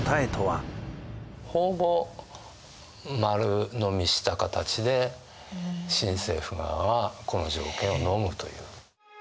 ほぼ丸のみした形で新政府側はこの条件をのむという。